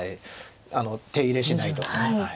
手入れしないと。